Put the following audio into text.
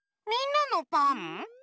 みんなのパン？